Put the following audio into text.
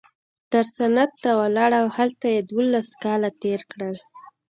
نو سند ته ولاړ او هلته یې دوولس کاله تېر کړل.